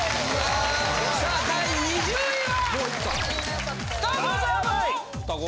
さあ第２０位は。